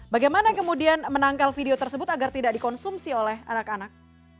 bagaimana kemudian menangkal video tersebut agar tidak dikonsumsi oleh anak anak